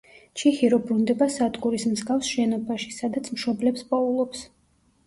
ჩიჰირო ბრუნდება სადგურის მსგავს შენობაში, სადაც მშობლებს პოულობს.